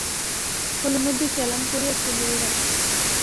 কলিমদ্দি সেলাম করিয়া চলিয়া গেল।